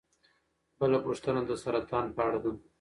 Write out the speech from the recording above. بله پوښتنه د سرطان په اړه ده.